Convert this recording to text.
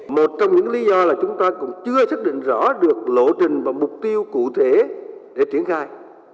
một trong những lý do là chúng ta cũng chưa xác định rõ được lộ trình và mục tiêu cụ thể để triển khai